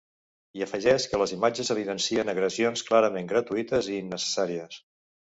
I afegeix que les imatges evidencien ‘agressions clarament gratuïtes’ i ‘innecessàries’.